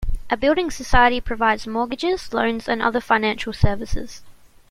A building society provides mortgages, loans and other financial services